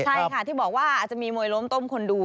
ใช่ค่ะที่บอกว่าอาจจะมีมวยล้มต้มคนดู